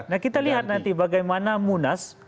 nah kita lihat nanti bagaimana munas